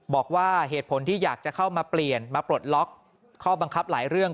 บอกว่าเหตุผลที่อยากจะเข้ามาเปลี่ยนมาปลดล็อกข้อบังคับหลายเรื่อง